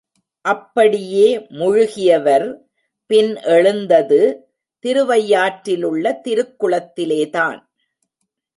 அப்படியே முழுகியவர் பின் எழுந்தது திருவையாற்றிலுள்ள திருக்குளத்திலேதான்.